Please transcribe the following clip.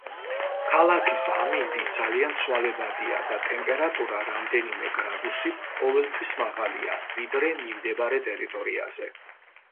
ქალაქის ამინდი ძალიან ცვალებადია და ტემპერატურა რამდენიმე გრადუსით ყოველთვის მაღალია, ვიდრე მიმდებარე ტერიტორიაზე.